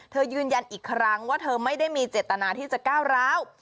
ยืนยันอีกครั้งว่าเธอไม่ได้มีเจตนาที่จะก้าวร้าว